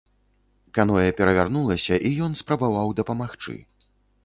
Каноэ перавярнулася і ён спрабаваў дапамагчы.